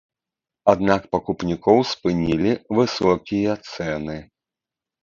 Аднак пакупнікоў спынілі высокія цэны.